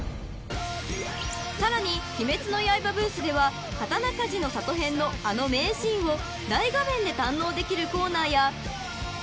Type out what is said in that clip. ［さらに『鬼滅の刃』ブースでは刀鍛冶の里編のあの名シーンを大画面で堪能できるコーナーや］